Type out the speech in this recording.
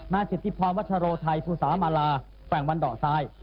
สิทธิพรวัชโรไทยภูสามาลาแขวงวันดอกทราย